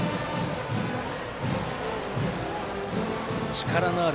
力がある。